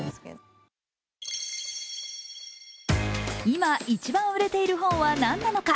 今、一番売れている本は何なのか